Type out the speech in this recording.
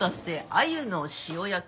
鮎の塩焼きです。